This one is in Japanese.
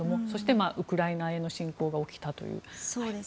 そしてウクライナへの侵攻が起きたという。